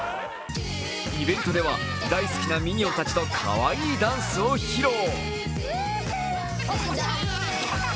イベントでは、大好きなミニオンたちとかわいいダンスを披露。